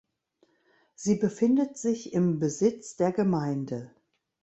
Sie befindet sich im Besitz der Gemeinde.